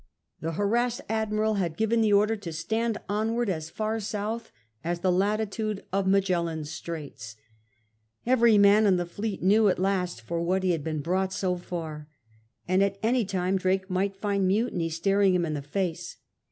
The harassed Admiral had given the order to stand onward as far south as the latitude of Magellan's Straits ; every man in the fleet knew at last for what he had been brought so far, and at any time Drake might find mutiny staring him in the face.